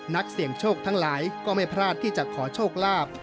นักเสี่ยงโชคทั้งหลายก็ไม่พลาดที่จะขอโชคลาภ